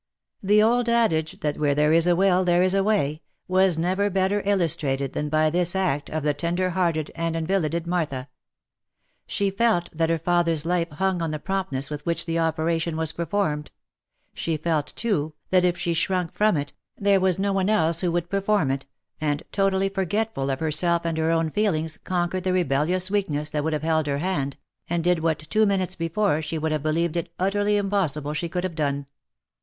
The old adage that u where there is a will, there is a way," was never better illustrated than by this act of the tender hearted and invalided Martha. She felt that her father's life hung on the prompt ness with which the operation was performed ; she felt too, that if she shrunk from it, there was no one else who would perform it, and totally forgetful of herself and her own feelings conquered the re bellious weakness that would have held her hand, and did what two minutes before she would have believed it utterly impossible she could have done.